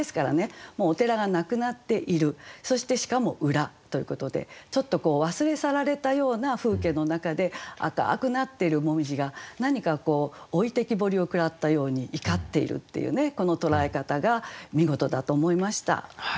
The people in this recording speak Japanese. もうお寺がなくなっているそしてしかも「裏」ということでちょっと忘れ去られたような風景の中で赤くなってる紅葉が何かこう置いてきぼりを食らったように怒っているっていうねこの捉え方が見事だと思いました。